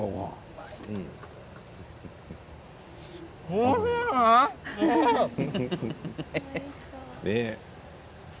おいしそう。